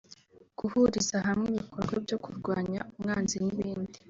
guhuriza hamwe ibikorwa byo kurwanya umwanzi n’ibindi